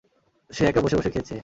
সে একা বসে-বসে খেয়েছে!